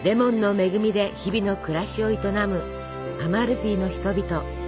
恵みで日々の暮らしを営むアマルフィの人々。